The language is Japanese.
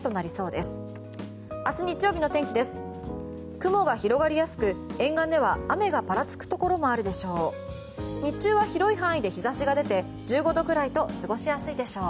雲が広がりやすく沿岸では雨がぱらつくところもあるでしょう。